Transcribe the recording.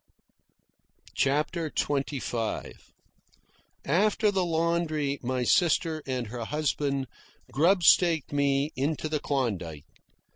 CHAPTER XXV After the laundry my sister and her husband grubstaked me into the Klondike.